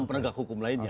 enam penegak hukum lainnya